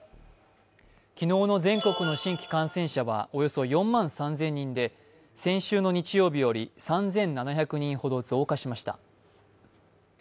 昨日の全国の新規感染者はおよそ４万３０００人で先週の日曜日より３７００人ほど増加しました。